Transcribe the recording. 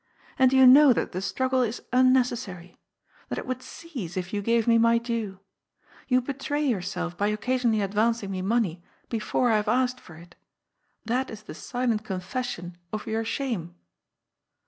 And you know that the struggle is unnecessary. That it would cease, if you gave me my due. You betray yourself by occasionally advancing me money before I have asked for it. That is the silent confession of your shame."